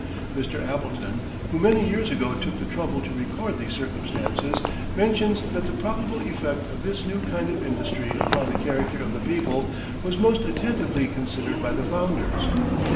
Mr. Appleton, who many years ago took the trouble to record these circumstances, mentions that the probable effect of this new kind of industry upon the character of the people was most attentively considered by the founders.